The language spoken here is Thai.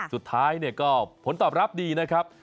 สุดท้ายเนี่ยก็ผลตอบรับดีนะครับ